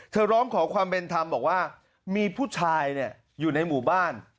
ร้องขอความเป็นธรรมบอกว่ามีผู้ชายอยู่ในหมู่บ้าน